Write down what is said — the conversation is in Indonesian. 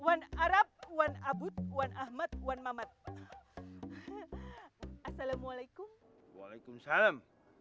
wan arab wan abut wan ahmad wan mamat assalamualaikum waalaikumsalam